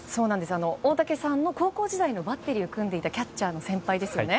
大竹投手と高校時代にバッテリーを組んでいたキャッチャーの先輩ですよね。